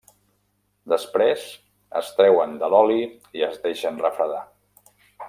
Després es treuen de l'oli i es deixen refredar.